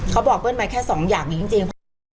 เขาบอกเปิ้ลมาแค่สองอย่างจริง